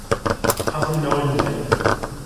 حەزم لەوە نییە.